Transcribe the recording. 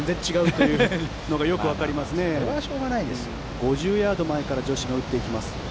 ５０ヤード前から女子が打っていきます。